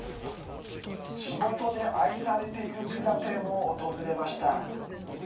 地元で愛されているピザ店を訪れました。